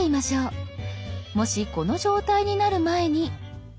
もしこの状態になる前に。